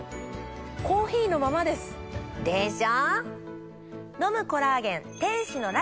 コーヒーのままです。でしょ？